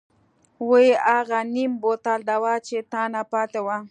وۍ اغه نيم بوتل دوا چې تانه پاتې وه.